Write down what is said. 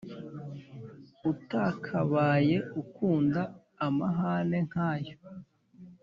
utakabaye ukunda amahane nkayo